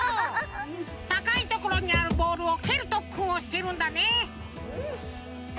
たかいところにあるボールをけるとっくんをしているんだね！